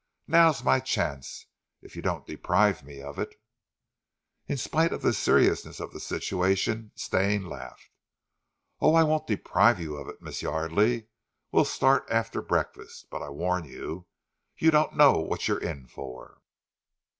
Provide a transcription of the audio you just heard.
Now's my chance if you don't deprive me of it." In spite of the seriousness of the situation, Stane laughed. "Oh, I won't deprive you of it, Miss Yardely. We'll start after breakfast; but I warn you, you don't know what you are in for."